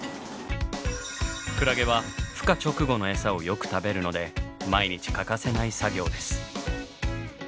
クラゲはふ化直後のエサをよく食べるので毎日欠かせない作業です。